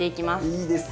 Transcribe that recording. いいですね。